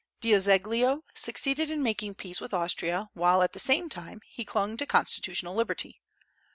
D'Azeglio succeeded in making peace with Austria, while, at the same time, he clung to constitutional liberty.